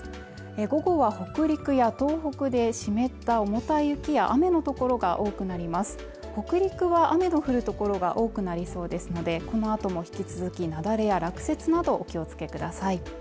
午後は北陸や東北で湿った重たい雪や雨の所が多くなります北陸は雨の降る所が多くなりそうですのでこのあとも引き続き雪崩や落雪などお気をつけください